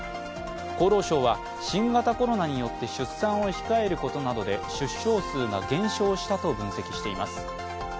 厚労省は、新型コロナによって出産を控えることなどで出生数が減少したと分析しています。